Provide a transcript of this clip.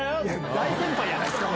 大先輩やないですか。